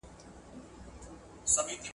زه له سهاره ږغ اورم!؟